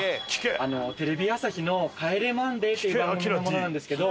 テレビ朝日の『帰れマンデー』っていう番組の者なんですけど。